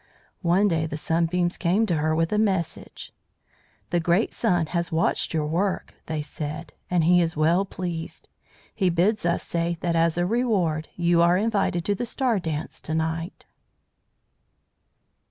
One day the Sunbeams came to her with a message. "The great Sun has watched your work," they said, "and he is well pleased. He bids us say that as a reward you are invited to the star dance to night."